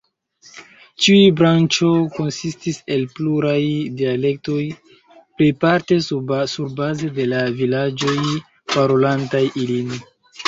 Ĉiu branĉo konsistis el pluraj dialektoj, plejparte surbaze de la vilaĝoj parolantaj ilin.